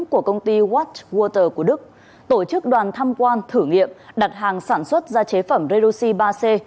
của công ty watchwater của đức tổ chức đoàn tham quan thử nghiệm đặt hàng sản xuất ra chế phẩm reduxy ba c